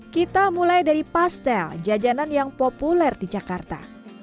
kita mulai dari pastel jajanan yang populer di jakarta